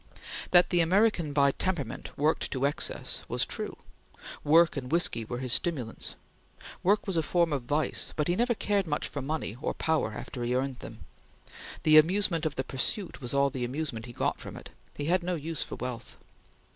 That the American, by temperament, worked to excess, was true; work and whiskey were his stimulants; work was a form of vice; but he never cared much for money or power after he earned them. The amusement of the pursuit was all the amusement he got from it; he had no use for wealth.